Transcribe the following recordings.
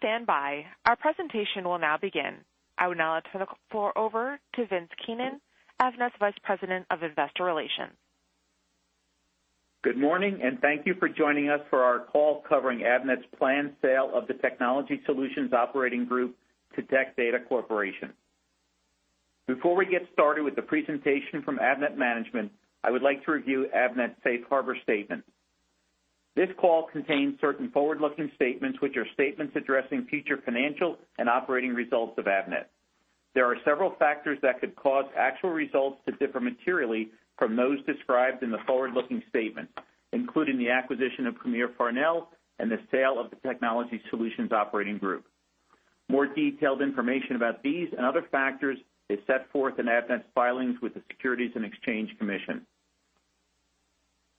Please stand by. Our presentation will now begin. I would now turn the floor over to Vince Keenan, Avnet's Vice President of Investor Relations. Good morning, and thank you for joining us for our call covering Avnet's planned sale of the Technology Solutions Operating Group to Tech Data Corporation. Before we get started with the presentation from Avnet management, I would like to review Avnet's Safe Harbor statement. This call contains certain forward-looking statements, which are statements addressing future financial and operating results of Avnet. There are several factors that could cause actual results to differ materially from those described in the forward-looking statement, including the acquisition of Premier Farnell and the sale of the Technology Solutions Operating Group. More detailed information about these and other factors is set forth in Avnet's filings with the Securities and Exchange Commission.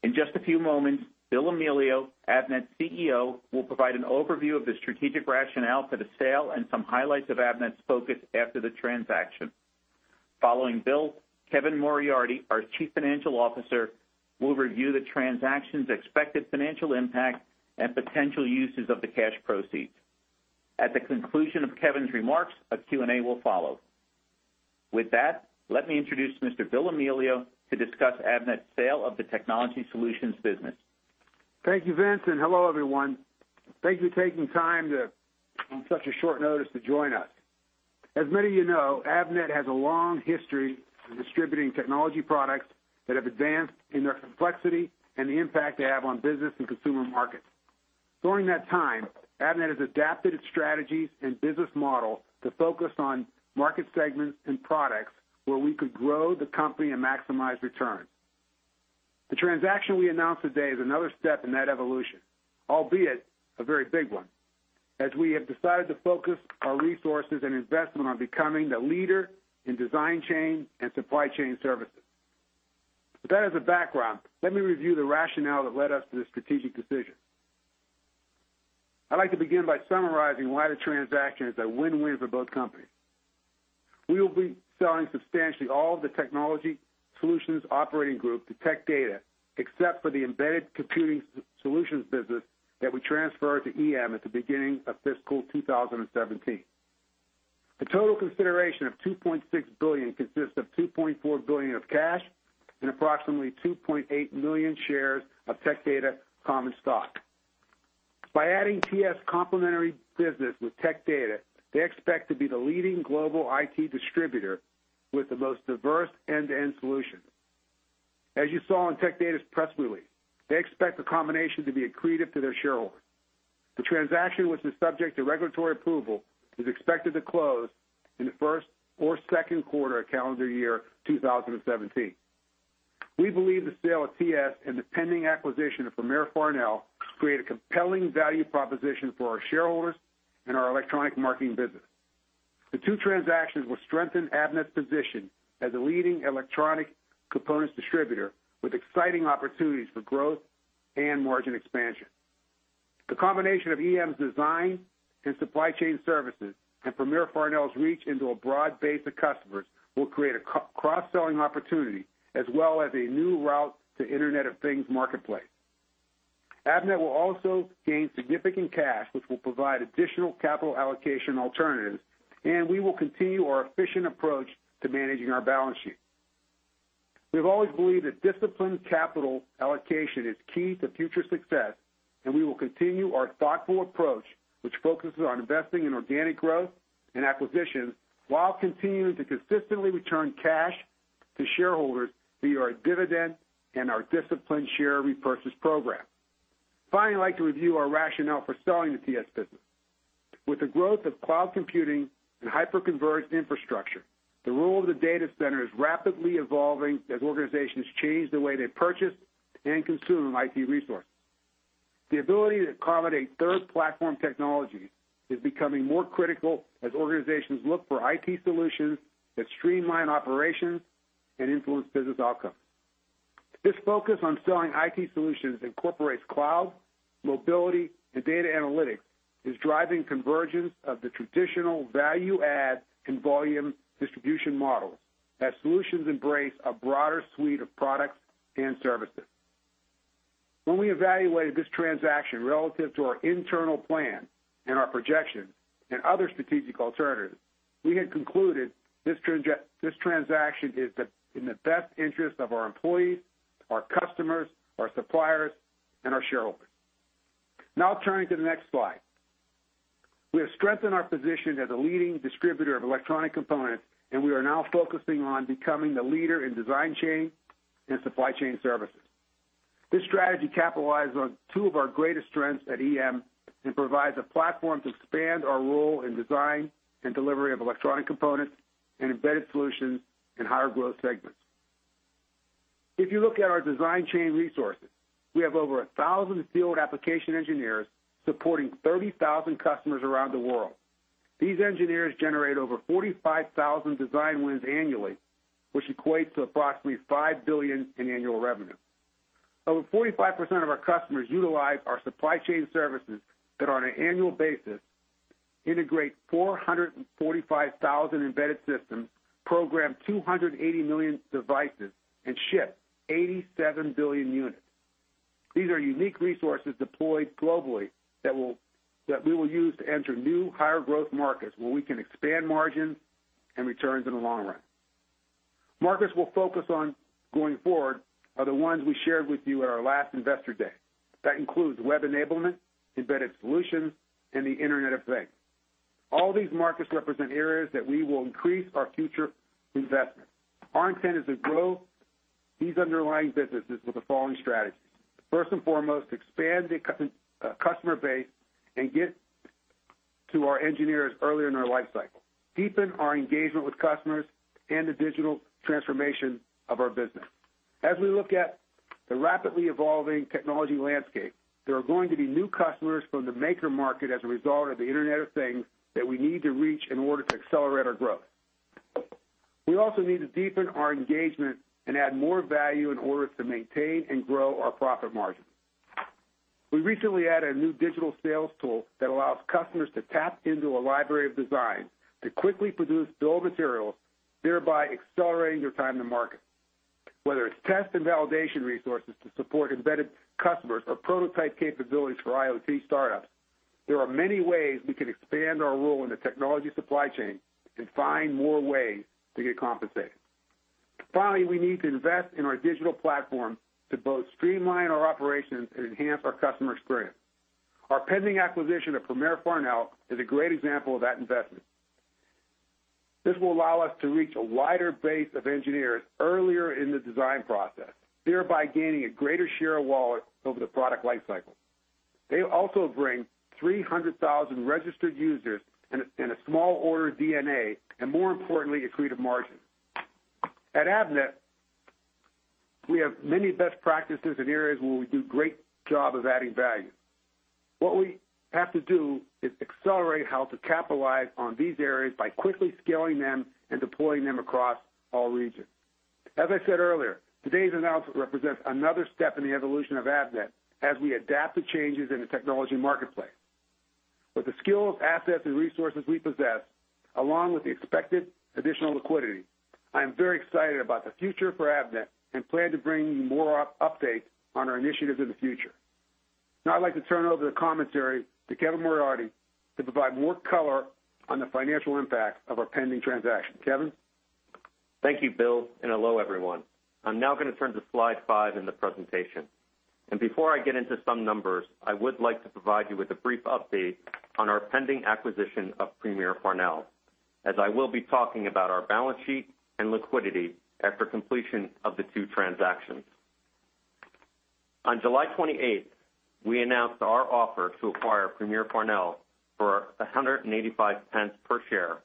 In just a few moments, Bill Amelio, Avnet's CEO, will provide an overview of the strategic rationale for the sale and some highlights of Avnet's focus after the transaction. Following Bill, Kevin Moriarty, our Chief Financial Officer, will review the transaction's expected financial impact and potential uses of the cash proceeds. At the conclusion of Kevin's remarks, a Q&A will follow. With that, let me introduce Mr. Bill Amelio to discuss Avnet's sale of the Technology Solutions business. Thank you, Vince, and hello, everyone. Thank you for taking time to, on such a short notice, to join us. As many of you know, Avnet has a long history of distributing technology products that have advanced in their complexity and the impact they have on business and consumer markets. During that time, Avnet has adapted its strategies and business model to focus on market segments and products where we could grow the company and maximize returns. The transaction we announced today is another step in that evolution, albeit a very big one, as we have decided to focus our resources and investment on becoming the leader in design chain and supply chain services. With that as a background, let me review the rationale that led us to this strategic decision. I'd like to begin by summarizing why the transaction is a win-win for both companies. We will be selling substantially all the Technology Solutions Operating Group to Tech Data, except for the Embedded Computing Solutions business that we transferred to EM at the beginning of fiscal 2017. The total consideration of $2.6 billion consists of $2.4 billion of cash and approximately 2.8 million shares of Tech Data common stock. By adding TS complementary business with Tech Data, they expect to be the leading global IT distributor with the most diverse end-to-end solutions. As you saw in Tech Data's press release, they expect the combination to be accretive to their shareholders. The transaction, which is subject to regulatory approval, is expected to close in the first or second quarter of calendar year 2017. We believe the sale of TS and the pending acquisition of Premier Farnell create a compelling value proposition for our shareholders and our electronic marketing business. The two transactions will strengthen Avnet's position as a leading electronic components distributor, with exciting opportunities for growth and margin expansion. The combination of EM's design and supply chain services and Premier Farnell's reach into a broad base of customers will create a cross-selling opportunity, as well as a new route to Internet of Things marketplace. Avnet will also gain significant cash, which will provide additional capital allocation alternatives, and we will continue our efficient approach to managing our balance sheet. We've always believed that disciplined capital allocation is key to future success, and we will continue our thoughtful approach, which focuses on investing in organic growth and acquisitions, while continuing to consistently return cash to shareholders via our dividend and our disciplined share repurchase program. Finally, I'd like to review our rationale for selling the TS business. With the growth of cloud computing and hyper-converged infrastructure, the role of the data center is rapidly evolving as organizations change the way they purchase and consume IT resources. The ability to accommodate Third Platform technology is becoming more critical as organizations look for IT solutions that streamline operations and influence business outcomes. This focus on selling IT solutions incorporates cloud, mobility, and data analytics, is driving convergence of the traditional value add and volume distribution model as solutions embrace a broader suite of products and services. When we evaluated this transaction relative to our internal plan and our projections and other strategic alternatives, we had concluded this transaction is in the best interest of our employees, our customers, our suppliers, and our shareholders. Now, turning to the next slide. We have strengthened our position as a leading distributor of electronic components, and we are now focusing on becoming the leader in design chain and supply chain services. This strategy capitalizes on two of our greatest strengths at EM and provides a platform to expand our role in design and delivery of electronic components and embedded solutions in higher growth segments. If you look at our design chain resources, we have over 1,000 field application engineers supporting 30,000 customers around the world. These engineers generate over 45,000 design wins annually, which equates to approximately $5 billion in annual revenue. Over 45% of our customers utilize our supply chain services that, on an annual basis, integrate 445,000 embedded systems, program 280 million devices, and ship 87 billion units. These are unique resources deployed globally that we will use to enter new higher growth markets where we can expand margins and returns in the long run. Markets we'll focus on going forward are the ones we shared with you at our last Investor Day. That web enablement, embedded solutions, and the Internet of Things. All these markets represent areas that we will increase our future investment. Our intent is to grow these underlying businesses with the following strategy. First and foremost, expand the customer base and get to our engineers earlier in their life cycle, deepen our engagement with customers, and the digital transformation of our business. As we look at the rapidly evolving technology landscape, there are going to be new customers from the maker market as a result of the Internet of Things that we need to reach in order to accelerate our growth. We also need to deepen our engagement and add more value in order to maintain and grow our profit margin. We recently added a new digital sales tool that allows customers to tap into a library of designs to quickly produce bill of materials, thereby accelerating their time to market. Whether it's test and validation resources to support embedded customers or prototype capabilities for IoT startups, there are many ways we can expand our role in the technology supply chain and find more ways to get compensated. Finally, we need to invest in our digital platform to both streamline our operations and enhance our customer experience. Our pending acquisition of Premier Farnell is a great example of that investment. This will allow us to reach a wider base of engineers earlier in the design process, thereby gaining a greater share of wallet over the product life cycle. They also bring 300,000 registered users and a small order DNA, and more importantly, accretive margin. At Avnet, we have many best practices in areas where we do great job of adding value. What we have to do is accelerate how to capitalize on these areas by quickly scaling them and deploying them across all regions. As I said earlier, today's announcement represents another step in the evolution of Avnet as we adapt to changes in the technology marketplace. With the skills, assets, and resources we possess, along with the expected additional liquidity, I am very excited about the future for Avnet and plan to bring you more update on our initiatives in the future. Now I'd like to turn over the commentary to Kevin Moriarty to provide more color on the financial impact of our pending transaction. Kevin? Thank you, Bill, and hello, everyone. I'm now gonna turn to slide five in the presentation, and before I get into some numbers, I would like to provide you with a brief update on our pending acquisition of Premier Farnell, as I will be talking about our balance sheet and liquidity after completion of the two transactions. On July 28th, we announced our offer to acquire Premier Farnell for 185 pence per share,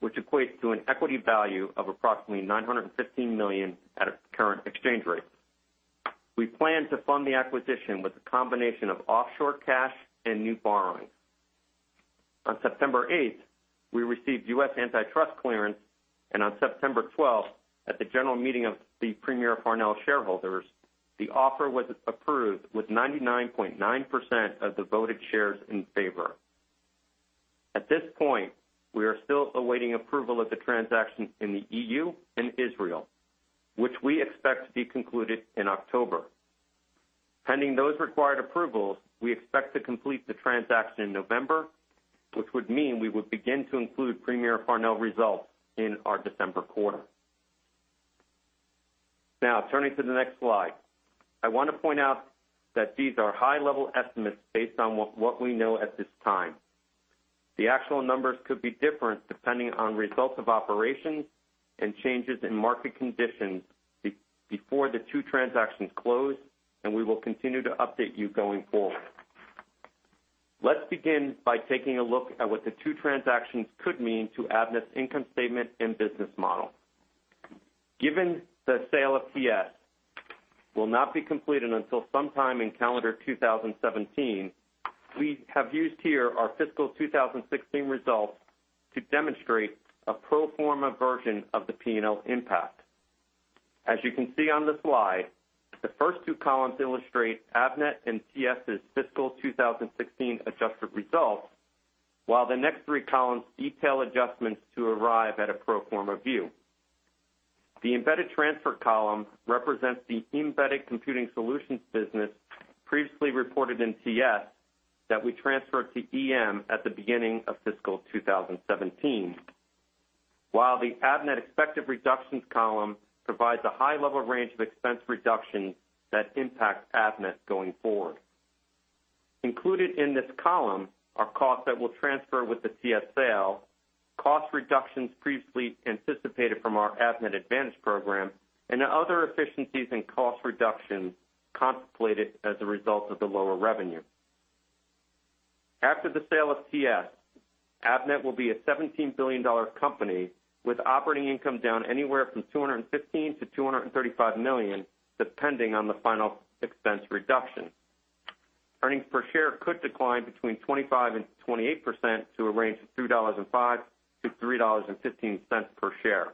which equates to an equity value of approximately 915 million at its current exchange rate. We plan to fund the acquisition with a combination of offshore cash and new borrowings. On September 8th, we received U.S. antitrust clearance, and on September 12th, at the general meeting of the Premier Farnell shareholders, the offer was approved, with 99.9% of the voted shares in favor. At this point, we are still awaiting approval of the transaction in the EU and Israel, which we expect to be concluded in October. Pending those required approvals, we expect to complete the transaction in November, which would mean we would begin to include Premier Farnell results in our December quarter. Now, turning to the next slide, I want to point out that these are high-level estimates based on what we know at this time. The actual numbers could be different depending on results of operations and changes in market conditions before the two transactions close, and we will continue to update you going forward. Let's begin by taking a look at what the two transactions could mean to Avnet's income statement and business model. Given the sale of TS will not be completed until sometime in calendar 2017, we have used here our fiscal 2016 results to demonstrate a pro forma version of the P&L impact. As you can see on the slide, the first two columns illustrate Avnet and TS's fiscal 2016 adjusted results, while the next three columns detail adjustments to arrive at a pro forma view. The embedded transfer column represents the Embedded Computing Solutions business previously reported in TS that we transferred to EM at the beginning of fiscal 2017. While the Avnet expected reductions column provides a high level range of expense reduction that impacts Avnet going forward. Included in this column are costs that will transfer with the TS sale, cost reductions previously anticipated from our Avnet Advance program, and other efficiencies and cost reductions contemplated as a result of the lower revenue. After the sale of TS, Avnet will be a $17 billion company with operating income down anywhere from $215 million-$235 million, depending on the final expense reduction. Earnings per share could decline between 25%-28% to a range of $2.05-$3.15 per share.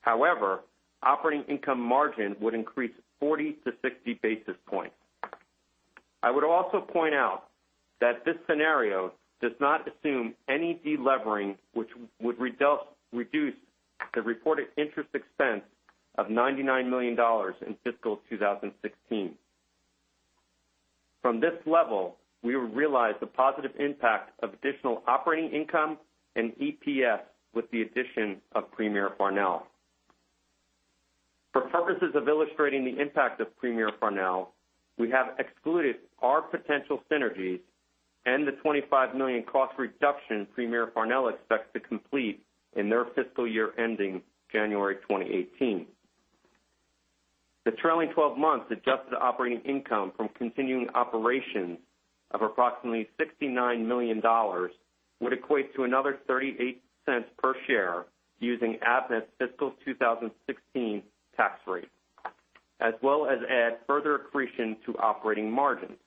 However, operating income margin would increase 40-60 basis points. I would also point out that this scenario does not assume any delevering, which would reduce the reported interest expense of $99 million in fiscal 2016. From this level, we will realize the positive impact of additional operating income and EPS with the addition of Premier Farnell. For purposes of illustrating the impact of Premier Farnell, we have excluded our potential synergies and the 25 million cost reduction Premier Farnell expects to complete in their fiscal year ending January 2018. The trailing twelve months adjusted operating income from continuing operations of approximately $69 million would equate to another $0.38 per share using Avnet's fiscal 2016 tax rate, as well as add further accretion to operating margins.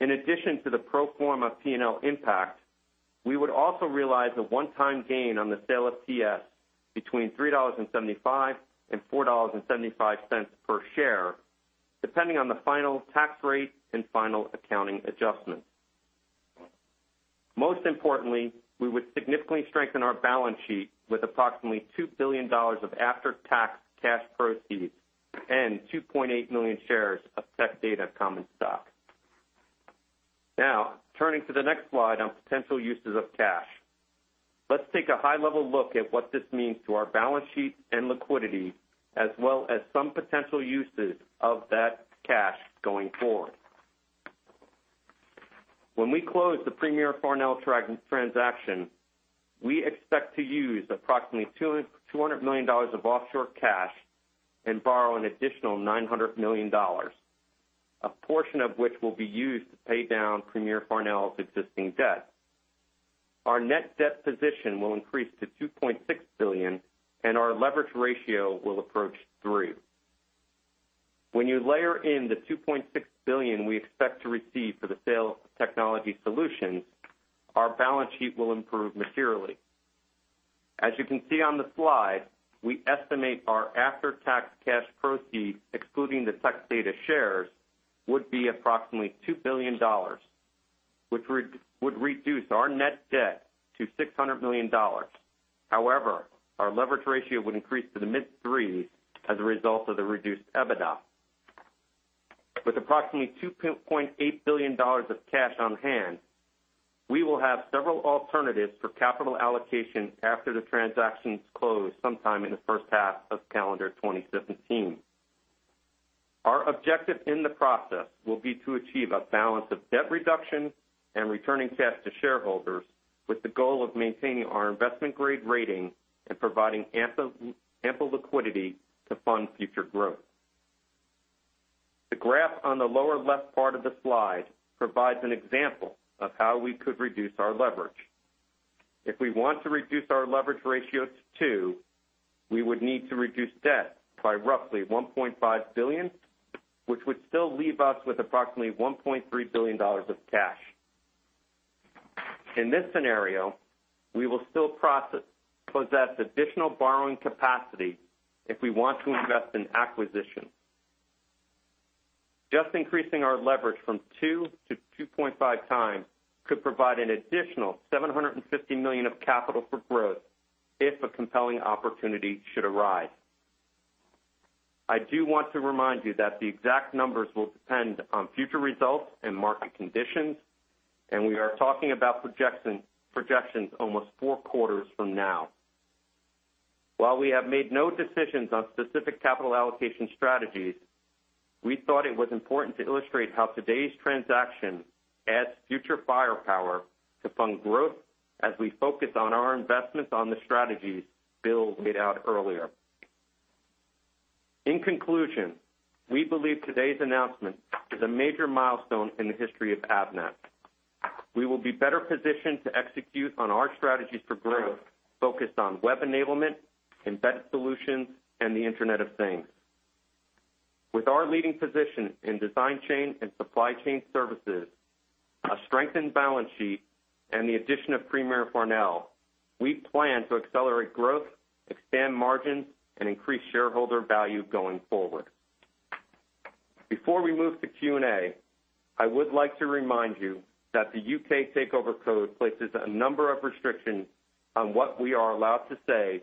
In addition to the pro forma P&L impact, we would also realize a one-time gain on the sale of TS between $3.75 and $4.75 per share, depending on the final tax rate and final accounting adjustment. Most importantly, we would significantly strengthen our balance sheet with approximately $2 billion of after-tax cash proceeds and 2.8 million shares of Tech Data common stock. Now, turning to the next slide on potential uses of cash. Let's take a high-level look at what this means to our balance sheet and liquidity, as well as some potential uses of that cash going forward. When we close the Premier Farnell transaction, we expect to use approximately $200 million of offshore cash and borrow an additional $900 million, a portion of which will be used to pay down Premier Farnell's existing debt. Our net debt position will increase to $2.6 billion, and our leverage ratio will approach three. When you layer in the $2.6 billion we expect to receive for the sale of Technology Solutions, our balance sheet will improve materially. As you can see on the slide, we estimate our after-tax cash proceeds, excluding the Tech Data shares, would be approximately $2 billion, which would reduce our net debt to $600 million. However, our leverage ratio would increase to the mid-threes as a result of the reduced EBITDA. With approximately $2.8 billion of cash on hand, we will have several alternatives for capital allocation after the transactions close sometime in the first half of calendar 2017. Our objective in the process will be to achieve a balance of debt reduction and returning cash to shareholders, with the goal of maintaining our investment-grade rating and providing ample, ample liquidity to fund future growth. The graph on the lower left part of the slide provides an example of how we could reduce our leverage. If we want to reduce our leverage ratio to 2%, we would need to reduce debt by roughly $1.5 billion, which would still leave us with approximately $1.3 billion of cash. In this scenario, we will still possess additional borrowing capacity if we want to invest in acquisition. Just increasing our leverage from 2x to 2.5x could provide an additional $750 million of capital for growth if a compelling opportunity should arise. I do want to remind you that the exact numbers will depend on future results and market conditions, and we are talking about projections almost four quarters from now. While we have made no decisions on specific capital allocation strategies, we thought it was important to illustrate how today's transaction adds future firepower to fund growth as we focus on our investments on the strategies Bill laid out earlier. In conclusion, we believe today's announcement is a major milestone in the history of Avnet. We will be better positioned to execute on our strategies for growth, focused web enablement, embedded solutions, and the Internet of Things. With our leading position in design chain and supply chain services, a strengthened balance sheet, and the addition of Premier Farnell, we plan to accelerate growth, expand margins, and increase shareholder value going forward. Before we move to Q&A, I would like to remind you that the U.K. Takeover Code places a number of restrictions on what we are allowed to say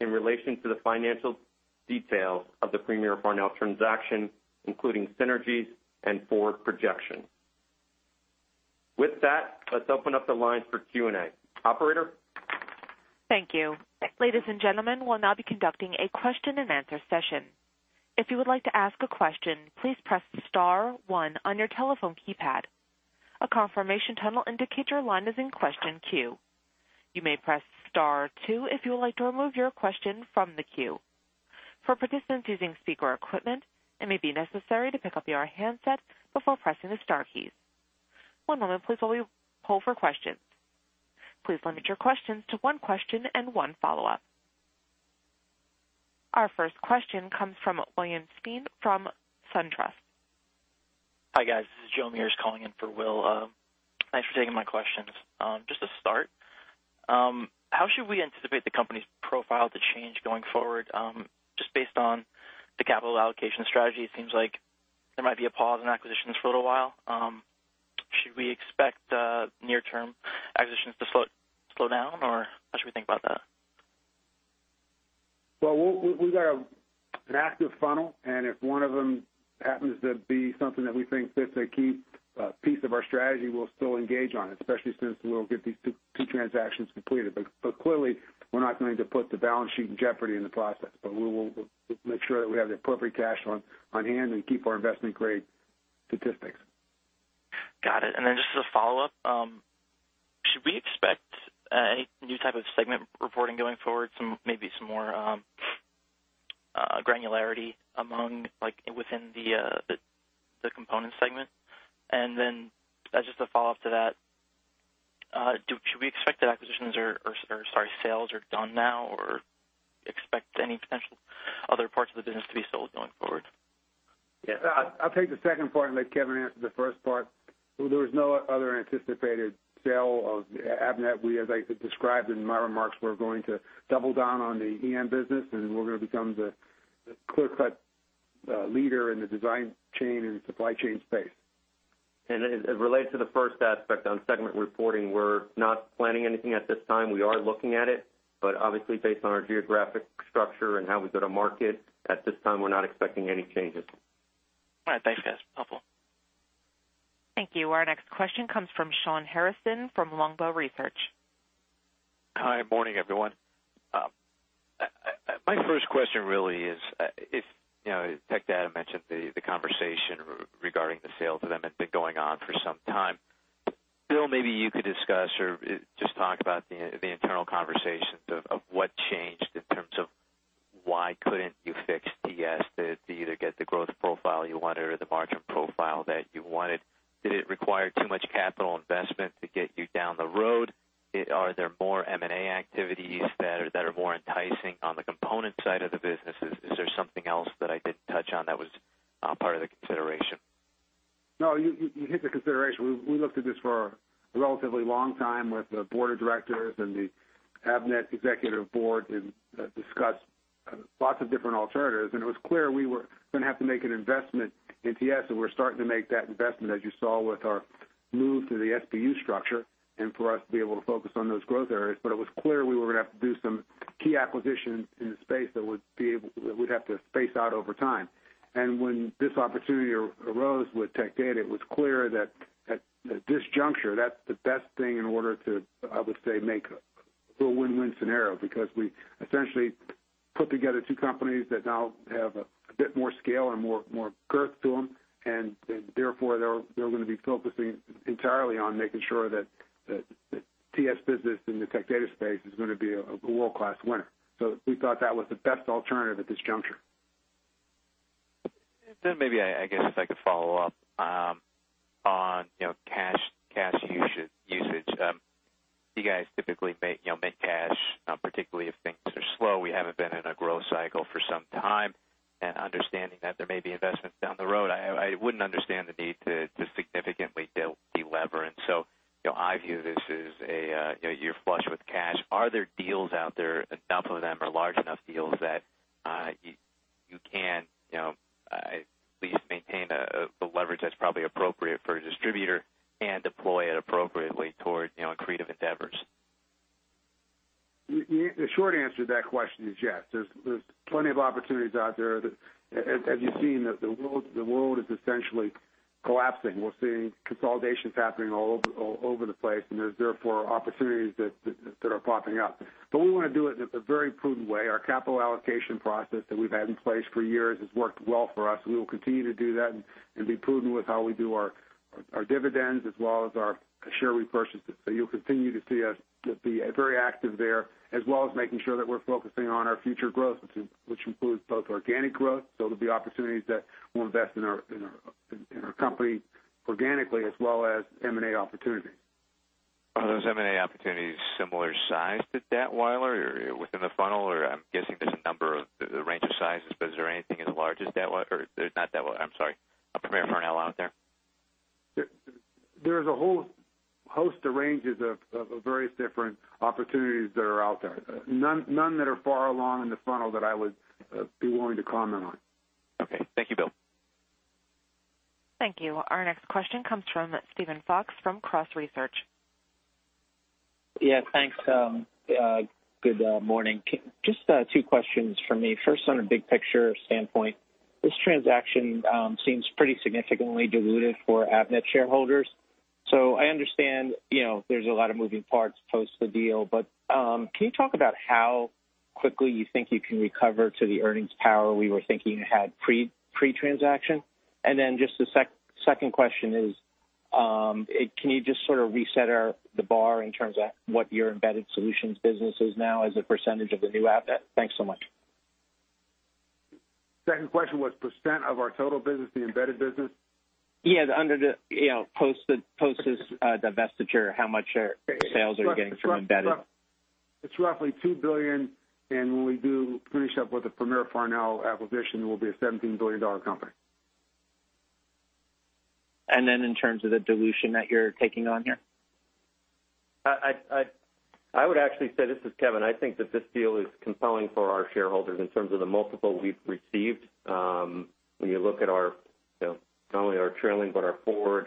in relation to the financial details of the Premier Farnell transaction, including synergies and forward projections. With that, let's open up the line for Q&A. Operator? Thank you. Ladies and gentlemen, we'll now be conducting a question-and-answer session. If you would like to ask a question, please press star one on your telephone keypad. A confirmation tone will indicate your line is in question queue. You may press star two if you would like to remove your question from the queue. For participants using speaker equipment, it may be necessary to pick up your handset before pressing the star keys. One moment, please, while we pull for questions. Please limit your questions to one question and one follow-up. Our first question comes from William Stein from SunTrust. Hi, guys. This is Joe Meares calling in for Will. Thanks for taking my questions. How should we anticipate the company's profile to change going forward? Just based on the capital allocation strategy, it seems like there might be a pause in acquisitions for a little while. Should we expect near-term acquisitions to slow down, or how should we think about that? Well, we got an active funnel, and if one of them happens to be something that we think fits a key piece of our strategy, we'll still engage on it, especially since we'll get these two transactions completed. But clearly, we're not going to put the balance sheet in jeopardy in the process, but we will make sure that we have the appropriate cash on hand and keep our investment grade statistics. Got it. And then just as a follow-up, should we expect any new type of segment reporting going forward, some, maybe some more granularity among like within the the component segment? And then as just a follow-up to that, should we expect that acquisitions or sales are done now or expect any potential other parts of the business to be sold going forward? Yeah, I, I'll take the second part and let Kevin answer the first part. There is no other anticipated sale of Avnet. We, as I described in my remarks, we're going to double down on the EM business, and we're going to become the clear-cut leader in the design chain and supply chain space. And as relates to the first aspect on segment reporting, we're not planning anything at this time. We are looking at it, but obviously based on our geographic structure and how we go to market, at this time, we're not expecting any changes. All right. Thanks, guys. Helpful. Thank you. Our next question comes from Shawn Harrison, from Longbow Research. Hi, morning, everyone. My first question really is, if you know, Tech Data mentioned the conversation regarding the sale to them had been going on for some time. Bill, maybe you could discuss or just talk about the internal conversations of what changed in terms of why couldn't you fix TS to either get the growth profile you wanted or the margin profile that you wanted? Did it require too much capital investment to get you down the road? Are there more M&A activities that are more enticing on the component side of the business? Is there something else that I didn't touch on that was part of the consideration? No, you hit the consideration. We looked at this for a relatively long time with the board of directors and the Avnet executive board and discussed lots of different alternatives, and it was clear we were gonna have to make an investment in TS, and we're starting to make that investment, as you saw with our move to the SBU structure and for us to be able to focus on those growth areas. But it was clear we were gonna have to do some key acquisitions in the space that would be able, we'd have to space out over time. When this opportunity arose with Tech Data, it was clear that at this juncture, that's the best thing in order to, I would say, make a win-win scenario, because we essentially put together two companies that now have a bit more scale and more girth to them, and therefore, they're gonna be focusing entirely on making sure that the TS business in the Tech Data space is gonna be a world-class winner. So we thought that was the best alternative at this juncture. Then maybe, I guess if I could follow up on, you know, cash usage. You guys typically make, you know, make cash, particularly if things are slow. We haven't been in a growth cycle for some time, and understanding that there may be investments down the road, I wouldn't understand the need to significantly delever. And so, you know, I view this as a, you're flush with cash. Are there deals out there, enough of them or large enough deals that you can, you know, at least maintain a, the leverage that's probably appropriate for a distributor and deploy it appropriately toward, you know, creative endeavors? The short answer to that question is yes. There's plenty of opportunities out there. As you've seen, the world is essentially collapsing. We're seeing consolidations happening all over the place, and there's therefore opportunities that are popping up. But we want to do it in a very prudent way. Our capital allocation process that we've had in place for years has worked well for us, and we will continue to do that and be prudent with how we do our dividends as well as our share repurchases. So you'll continue to see us be very active there, as well as making sure that we're focusing on our future growth, which includes both organic growth. So there'll be opportunities that we'll invest in our company organically, as well as M&A opportunities. Are those M&A opportunities similar size to Datwyler or within the funnel, or I'm guessing there's a number of, the range of sizes, but is there anything as large as Datwyler or not Datwyler? I'm sorry, as Premier Farnell out there. There, there's a whole host of ranges of, of various different opportunities that are out there. None, none that are far along in the funnel that I would be willing to comment on. Okay. Thank you, Bill. Thank you. Our next question comes from Steven Fox, from Cross Research. Yeah, thanks. Good morning. Just two questions from me. First, on a big picture standpoint, this transaction seems pretty significantly dilutive for Avnet shareholders. So I understand, you know, there's a lot of moving parts post the deal, but can you talk about how quickly you think you can recover to the earnings power we were thinking it had pre-transaction? And then just the second question is, can you just sort of reset the bar in terms of what your Embedded Solutions business is now as a percentage of the new Avnet? Thanks so much. Second question was percent of our total business, the embedded business? Yeah, under the, you know, post this divestiture, how much sales are you getting from embedded? It's roughly $2 billion, and when we do finish up with the Premier Farnell acquisition, we'll be a $17 billion company. And then in terms of the dilution that you're taking on here? I would actually say, this is Kevin. I think that this deal is compelling for our shareholders in terms of the multiple we've received. When you look at our, you know, not only our trailing, but our forward,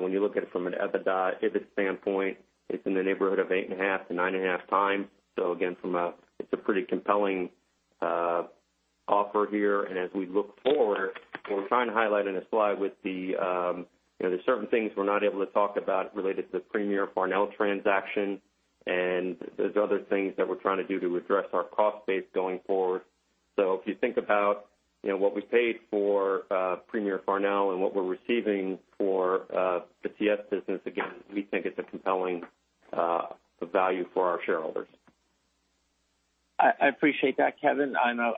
when you look at it from an EBITDA, EBIT standpoint, it's in the neighborhood of 8.5x-9.5x. So again, from a it's a pretty compelling offer here. And as we look forward, what we're trying to highlight in the slide with the, you know, there's certain things we're not able to talk about related to the Premier Farnell transaction, and there's other things that we're trying to do to address our cost base going forward. So if you think about, you know, what we paid for Premier Farnell and what we're receiving for the TS business, again, we think it's a compelling value for our shareholders. I appreciate that, Kevin. I know,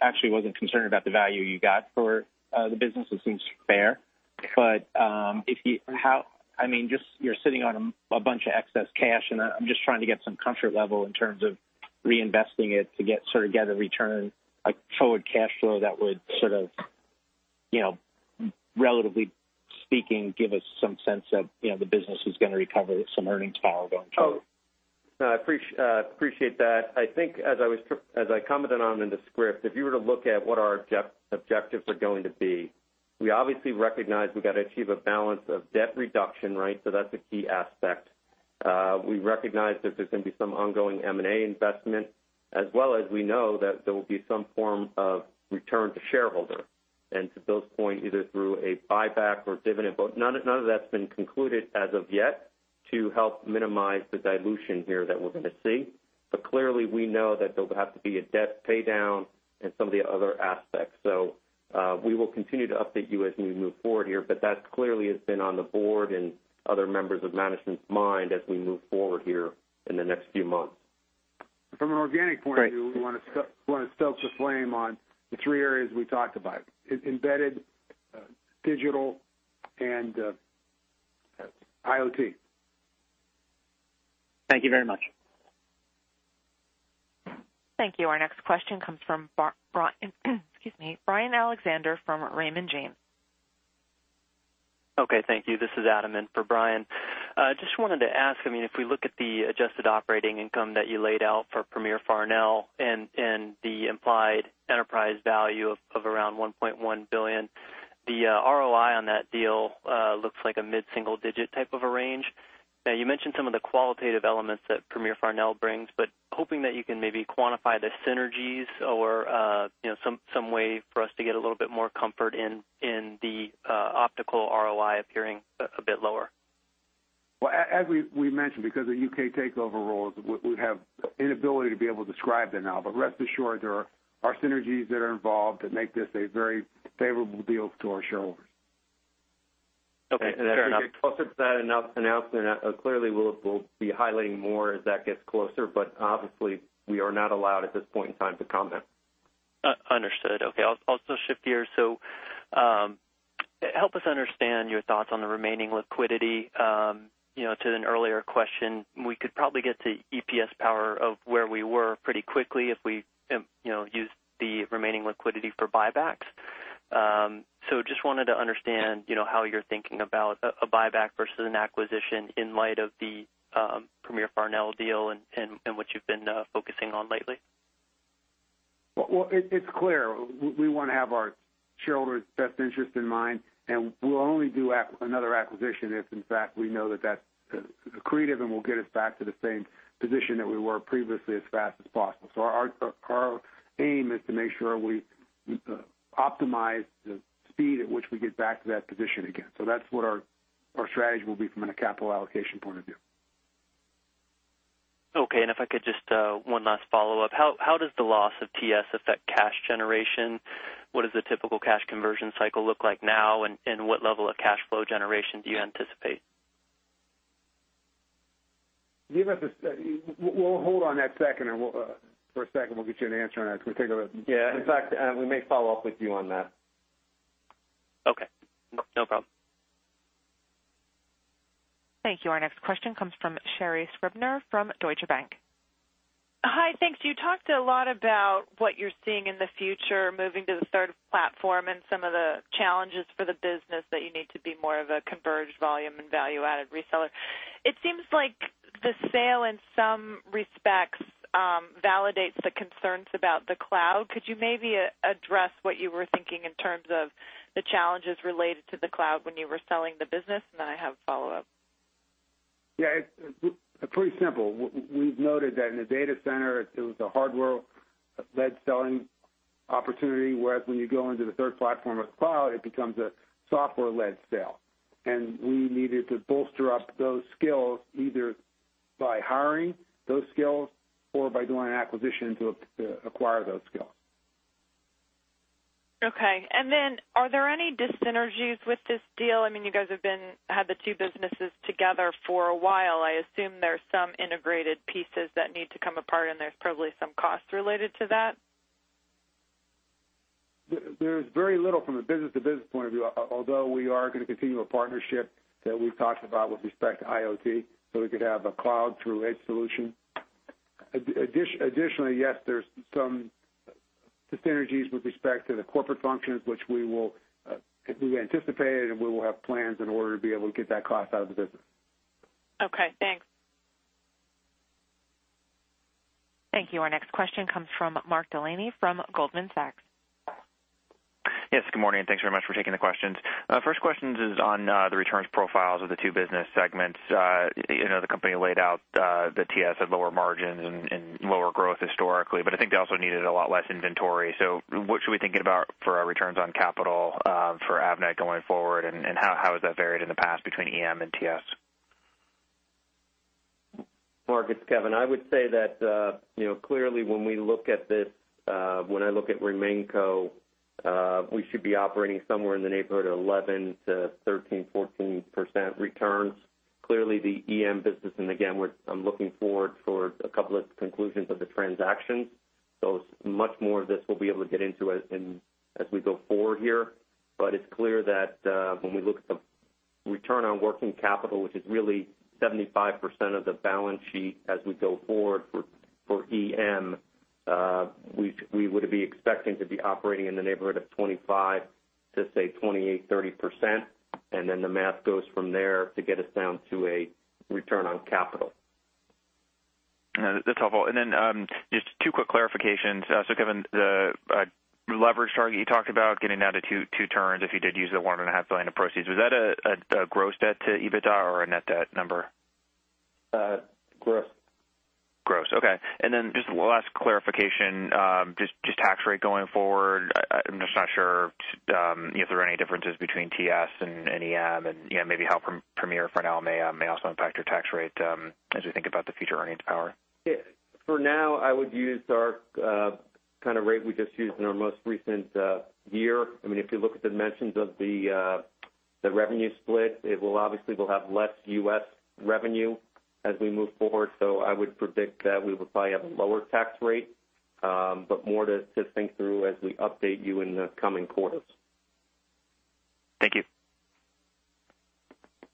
actually I wasn't concerned about the value you got for the business. It seems fair, but I mean, just you're sitting on a bunch of excess cash, and I'm just trying to get some comfort level in terms of reinvesting it to get sort of a return, like, forward cash flow that would sort of, you know, relatively speaking, give us some sense of, you know, the business is gonna recover some earnings power going forward. Oh, I appreciate that. I think as I commented on in the script, if you were to look at what our objectives are going to be, we obviously recognize we've got to achieve a balance of debt reduction, right? So that's a key aspect. We recognize that there's going to be some ongoing M&A investment, as well as we know that there will be some form of return to shareholder, and to Bill's point, either through a buyback or dividend, but none of that's been concluded as of yet to help minimize the dilution here that we're gonna see. But clearly, we know that there will have to be a debt paydown and some of the other aspects. So, we will continue to update you as we move forward here, but that clearly has been on the board and other members of management's mind as we move forward here in the next few months. From an organic point of view, we wanna stoke the flame on the three areas we talked about, embedded, digital and IoT. Thank you very much. Thank you. Our next question comes from Brian, excuse me, Brian Alexander from Raymond James. Okay, thank you. This is Adam in for Brian. Just wanted to ask, I mean, if we look at the adjusted operating income that you laid out for Premier Farnell and the implied enterprise value of around $1.1 billion, the ROI on that deal looks like a mid-single digit type of a range. Now, you mentioned some of the qualitative elements that Premier Farnell brings, but hoping that you can maybe quantify the synergies or you know, some way for us to get a little bit more comfort in the overall ROI appearing a bit lower. Well, as we mentioned, because of U.K. takeover rules, we have inability to be able to describe that now, but rest assured, there are synergies that are involved that make this a very favorable deal to our shareholders. Okay, fair enough. Closer to that announcement, clearly, we'll, we'll be highlighting more as that gets closer, but obviously, we are not allowed at this point in time to comment. Understood. Okay, I'll still shift gears. So, help us understand your thoughts on the remaining liquidity. You know, to an earlier question, we could probably get to EPS power of where we were pretty quickly if we, you know, use the remaining liquidity for buybacks. So just wanted to understand, you know, how you're thinking about a buyback versus an acquisition in light of the Premier Farnell deal and what you've been focusing on lately. Well, it's clear. We wanna have our shareholders' best interest in mind, and we'll only do another acquisition if, in fact, we know that that's accretive, and will get us back to the same position that we were previously as fast as possible. So our aim is to make sure we optimize the speed at which we get back to that position again. So that's what our strategy will be from a capital allocation point of view. Okay, and if I could just, one last follow-up. How, how does the loss of TS affect cash generation? What does the typical cash conversion cycle look like now, and, and what level of cash flow generation do you anticipate? Give us a second. We'll hold on that second, and we'll, for a second, we'll get you an answer on that. We take a look. Yeah. In fact, we may follow up with you on that. Okay, no problem. Thank you. Our next question comes from Sherri Scribner from Deutsche Bank. Hi. Thanks. You talked a lot about what you're seeing in the future, moving to the Third Platform and some of the challenges for the business, that you need to be more of a converged volume and value-added reseller. It seems like the sale, in some respects, validates the concerns about the cloud. Could you maybe address what you were thinking in terms of the challenges related to the cloud when you were selling the business? And then I have a follow-up. Yeah, it's pretty simple. We've noted that in the data center, it was a hardware-led selling opportunity, whereas when you go into the Third Platform of cloud, it becomes a software-led sale. We needed to bolster up those skills, either by hiring those skills or by doing an acquisition to acquire those skills. Okay, and then are there any dyssynergies with this deal? I mean, you guys have had the two businesses together for a while. I assume there are some integrated pieces that need to come apart, and there's probably some cost related to that. There's very little from a business-to-business point of view, although we are gonna continue a partnership that we've talked about with respect to IoT, so we could have a cloud through edge solution. Additionally, yes, there's some synergies with respect to the corporate functions, which we will, we anticipated, and we will have plans in order to be able to get that cost out of the business. Okay, thanks. Thank you. Our next question comes from Mark Delaney from Goldman Sachs. Yes, good morning, and thanks very much for taking the questions. First question is on the returns profiles of the two business segments. You know, the company laid out the TS had lower margins and lower growth historically, but I think they also needed a lot less inventory. So what should we thinking about for our returns on capital for Avnet going forward? And how has that varied in the past between EM and TS? Mark, it's Kevin. I would say that, you know, clearly, when we look at this, when I look at RemainCo, we should be operating somewhere in the neighborhood of 11%-14% returns. Clearly, the EM business, and again, I'm looking forward for a couple of conclusions of the transaction, so much more of this we'll be able to get into as we go forward here. But it's clear that, when we look at the return on working capital, which is really 75% of the balance sheet as we go forward for EM, we would be expecting to be operating in the neighborhood of 25% to, say, 28%-30%, and then the math goes from there to get us down to a return on capital. That's helpful. And then, just two quick clarifications. So given the leverage target you talked about getting down to two, two turns if you did use the $1.5 billion of proceeds, was that a gross debt to EBITDA or a net debt number? Uh, gross. Gross. Okay, and then just one last clarification, just tax rate going forward. I'm just not sure if there are any differences between TS and EM, and, you know, maybe how Premier Farnell may also impact your tax rate, as we think about the future earnings power. For now, I would use our kind of rate we just used in our most recent year. I mean, if you look at the dimensions of the revenue split, it will obviously have less U.S. revenue as we move forward. So I would predict that we will probably have a lower tax rate, but more to think through as we update you in the coming quarters. Thank you.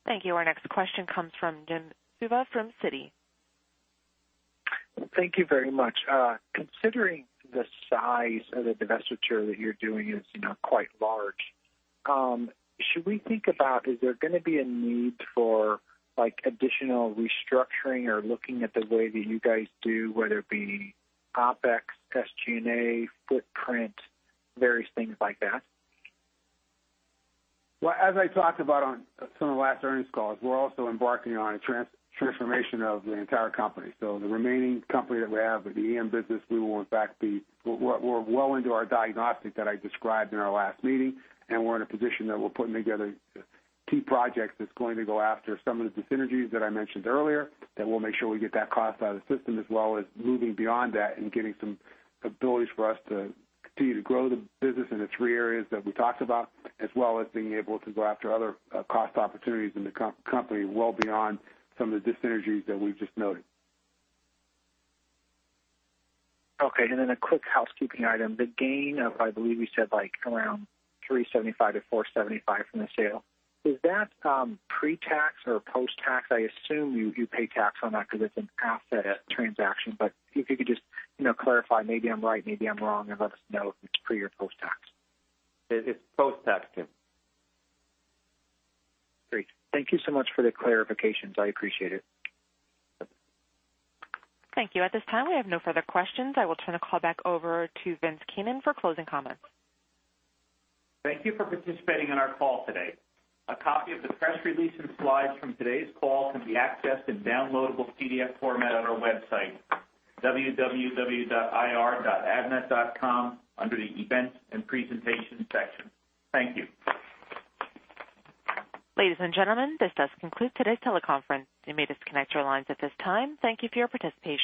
Thank you. Our next question comes from Jim Suva, from Citi. Thank you very much. Considering the size of the divestiture that you're doing is, you know, quite large, should we think about, is there gonna be a need for, like, additional restructuring or looking at the way that you guys do, whether it be OpEx, SG&A, footprint, various things like that? Well, as I talked about on some of the last earnings calls, we're also embarking on a transformation of the entire company. So the remaining company that we have, the EM business, we will in fact be... We're well into our diagnostic that I described in our last meeting, and we're in a position that we're putting together key projects that's going to go after some of the synergies that I mentioned earlier, that we'll make sure we get that cost out of the system, as well as moving beyond that and getting some abilities for us to continue to grow the business in the three areas that we talked about, as well as being able to go after other, cost opportunities in the company, well beyond some of the dis-synergies that we've just noted. Okay, and then a quick housekeeping item. The gain of, I believe you said, like around $375-$475 from the sale, is that pre-tax or post-tax? I assume you pay tax on that because it's an asset transaction, but if you could just, you know, clarify. Maybe I'm right, maybe I'm wrong, and let us know if it's pre or post-tax. It's post-tax, Jim. Great. Thank you so much for the clarifications. I appreciate it. Thank you. At this time, we have no further questions. I will turn the call back over to Vince Keenan for closing comments. Thank you for participating in our call today. A copy of the press release and slides from today's call can be accessed in downloadable PDF format on our website, www.ir.avnet.com, under the Events and Presentation section. Thank you. Ladies and gentlemen, this does conclude today's teleconference. You may disconnect your lines at this time. Thank you for your participation.